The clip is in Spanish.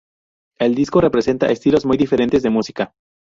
El disco representa estilos muy diferentes de música.